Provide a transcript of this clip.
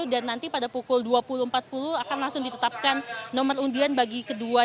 dan nanti pada pukul dua puluh empat puluh akan langsung ditetapkan nomor undian bagi kedua